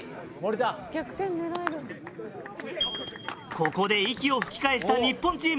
ここで息を吹き返した日本チーム。